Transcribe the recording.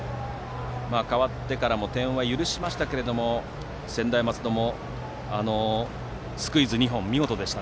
代わってからも点は許しましたが専大松戸もスクイズ２本見事でした。